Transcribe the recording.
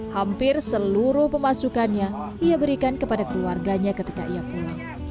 hampir seluruh pemasukannya ia berikan kepada keluarganya ketika ia pulang